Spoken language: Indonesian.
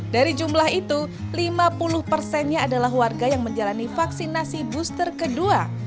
dari jumlah itu lima puluh persennya adalah warga yang menjalani vaksinasi booster kedua